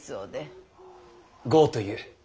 江という。